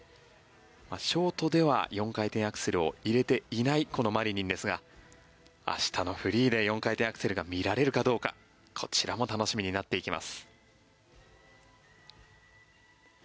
ショートでは４回転アクセルを入れていないこのマリニンですが明日のフリーで４回転アクセルが見られるかどうかこちらも楽しみになっていきます。